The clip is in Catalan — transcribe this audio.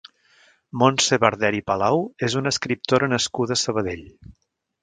Montse Barderi Palau és una escriptora nascuda a Sabadell.